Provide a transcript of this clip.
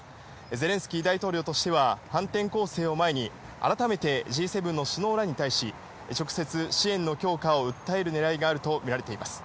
ゼレンスキー大統領としては、反転攻勢を前に、改めてＧ７の首脳らに対し、直接支援の強化を訴えるねらいがあると見られています。